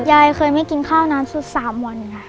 ยายเคยไม่กินข้าวนานสุด๓วันค่ะ